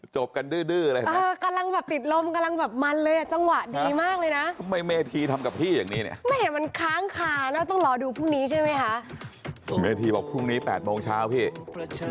ช้าวันใหม่ให้ทุกคนมีชีวิตใหม่รวมสร้างเงินสร้างความห่างมีทำได้ไว้ทำได้จริง